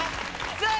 さあ